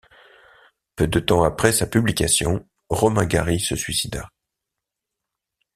Peu de temps après sa publication, Romain Gary se suicida.